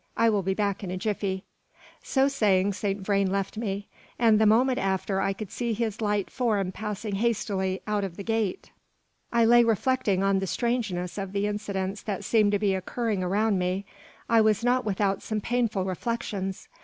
I will be back in a jiffy." So saying, Saint Vrain left me; and the moment after I could see his light form passing hastily out of the gate. I lay reflecting on the strangeness of the incidents that seemed to be occurring around me. I was not without some painful reflections.